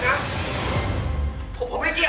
ชื่อฟอยแต่ไม่ใช่แฟง